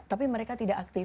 tapi mereka tidak aktif